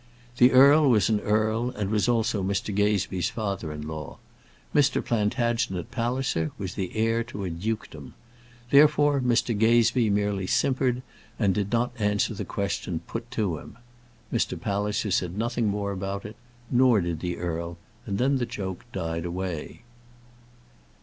The earl was an earl, and was also Mr. Gazebee's father in law. Mr. Plantagenet Palliser was the heir to a dukedom. Therefore, Mr. Gazebee merely simpered, and did not answer the question put to him. Mr. Palliser said nothing more about it, nor did the earl; and then the joke died away.